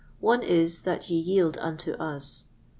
One is, that ye yield unto us.